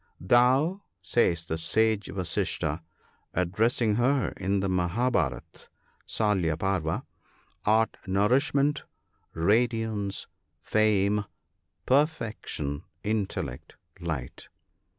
" Thou," says the Sage Vasistha, addressing her in the Mahab karat (Salya Parva), "art nourishment, radiance, fame, perfection, intel lect, light.